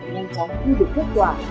nhanh chắn như được kết quả